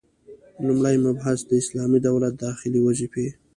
لومړی مبحث: د اسلامي دولت داخلي وظيفي: